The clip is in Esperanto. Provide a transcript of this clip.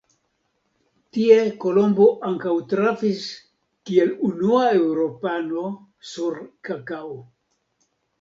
Tie Kolombo ankaŭ trafis kiel unua eŭropano sur kakao.